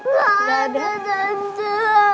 gak ada nantu